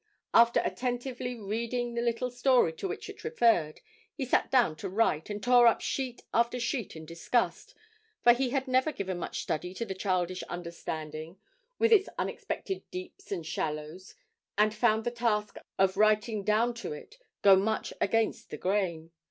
After attentively reading the little story to which it referred, he sat down to write, and tore up sheet after sheet in disgust, for he had never given much study to the childish understanding, with its unexpected deeps and shallows, and found the task of writing down to it go much against the grain.